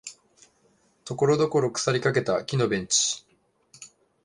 ところどころ腐りかけた木のベンチ